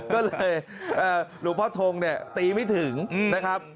ก็เลยหลวงพ่อทงเนี่ยตีไม่ถึงนะครับ